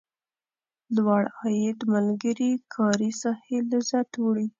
لوړ عاید ملګري کاري ساحې لذت وړي.